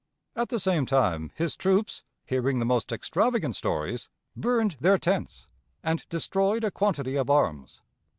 At the same time, his troops, hearing the most extravagant stories, burned their tents and destroyed a quantity of arms.